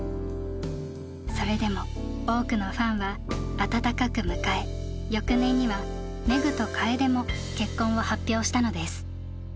それでも多くのファンは温かく迎え翌年にはＭｅｇｕとＫａｅｄｅも結婚を発表したのです。